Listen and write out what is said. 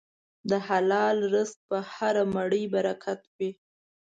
د حلال رزق په هره مړۍ برکت وي.